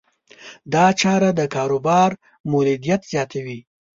دا چاره د کاروبار مولدیت زیاتوي.